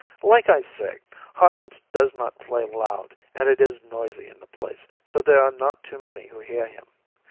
Like I say, Hotlips does not play loud and it is noisy in the place, so there are not too many who hear him.